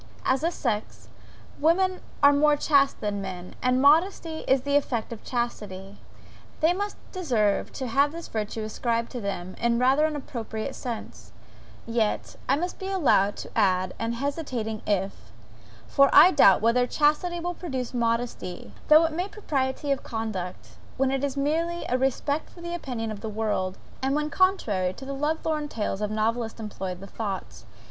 As a sex, women are more chaste than men, and as modesty is the effect of chastity, they may deserve to have this virtue ascribed to them in rather an appropriated sense; yet, I must be allowed to add an hesitating if: for I doubt, whether chastity will produce modesty, though it may propriety of conduct, when it is merely a respect for the opinion of the world, and when coquetry and the lovelorn tales of novelists employ the thoughts.